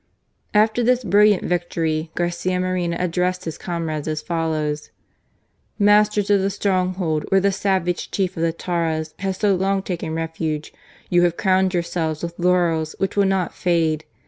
After this brilliant victory Garcia Moreno addressed his comrades as follows :" Masters of the stronghold where the savage chief of the Tauras had so long taken refuge, you have crowned yourselves with laurels which will not fade..